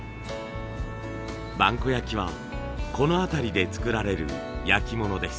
萬古焼はこの辺りで作られる焼き物です。